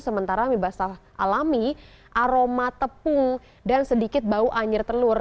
sementara mie basah alami aroma tepung dan sedikit bau anjir telur